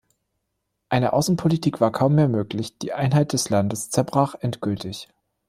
Eine Außenpolitik war kaum mehr möglich, die Einheit des Landes zerbrach endgültig.